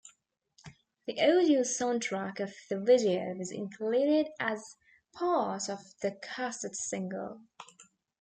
The audio soundtrack of the video was included as part of the cassette single.